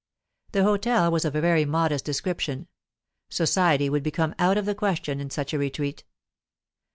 The hotel was of a very modest description; society would become out of the question in such a retreat.